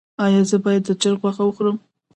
ایا زه باید د چرګ غوښه وخورم؟